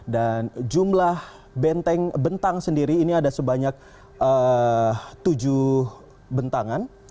dan jumlah bentang sendiri ini ada sebanyak tujuh bentangan